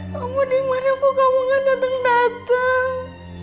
kamu dimana bu kamu gak dateng dateng